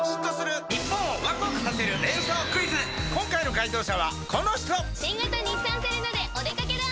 今回の解答者はこの人新型日産セレナでお出掛けだ！